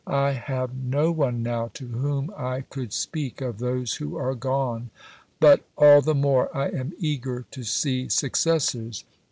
I have no one now to whom I could speak of those who are gone. But all the more I am eager to see successors.